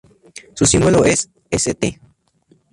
Su símbolo es St.